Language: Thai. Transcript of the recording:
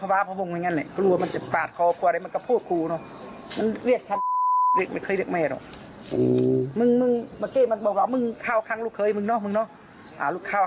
ครั้งนี้แม่เลยต้องแจ้งตัวออกมาก็เหมือนเดิมจนล่าสุดคือเมาอลวาด